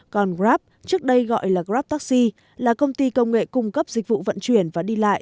còn grab trước đây gọi là grab taxi là công ty công nghệ cung cấp dịch vụ vận chuyển và đi lại